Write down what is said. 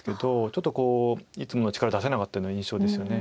ちょっといつもの力を出せなかったような印象ですよね。